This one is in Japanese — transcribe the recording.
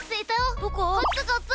こっちこっち。